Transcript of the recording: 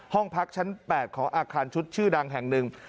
ห้องพักชั้น๘ของอาคารชุดชื่อดังแห่งหนึ่ง